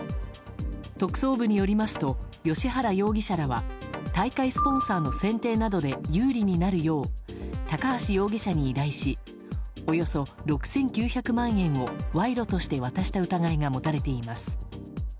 特捜部によりますと芳原容疑者らは大会スポンサーの選定などで有利になるよう高橋容疑者に依頼しおよそ６９００万円をわいろとして渡した疑いが持たれています。